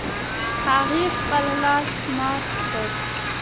هغې خپل لاس مات کړ